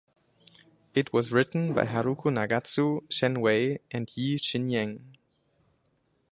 It was written by Haruko Nagatsu, Shen Wei, and Yee Chin-yen.